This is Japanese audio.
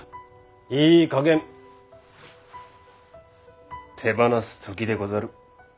いいかげん手放す時でござる。